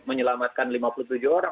menyelamatkan lima puluh tujuh orang